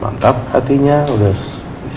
mantap hatinya sudah